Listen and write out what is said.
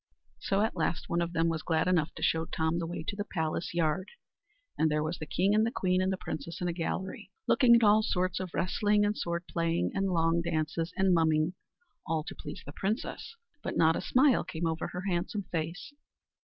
So at last one of them was glad enough to show Tom the way to the palace yard; and there was the king, and the queen, and the princess in a gallery, looking at all sorts of wrestling, and sword playing, and long dances, and mumming, all to please the princess; but not a smile came over her handsome face.